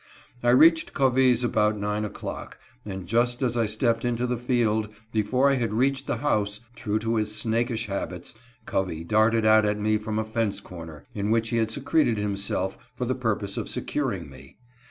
I reached Covey's about nine o'clock ; and just as I stepped into the field, before I had reached the house, true to his snakish habits, Covey darted out at me from a fence corner, in which he had secreted himself for the purpose of securing me.